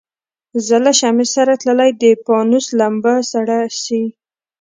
زه له شمعي سره تللی د پانوس لمبه سړه سي